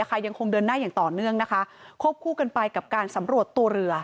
ยังคงเดินหน้าอย่างต่อเนื่องนะคะควบคู่กันไปกับการสำรวจตัวเรือ